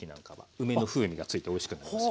梅の風味がついておいしくなりますよ。